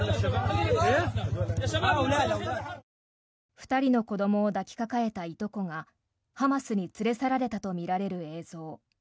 ２人の子どもを抱きかかえたいとこがハマスに連れ去られたとみられる映像。